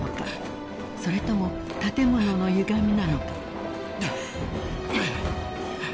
［それとも建物のゆがみなのか］